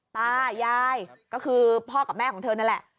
ตายายก็คือพ่อกับแม่ของเธอนั่นแหละ